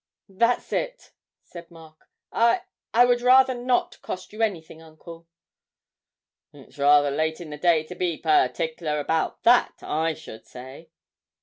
'That's it,' said Mark; 'I I would rather not cost you anything, uncle.' 'It's rather late in the day to be partickler about that, I should say.'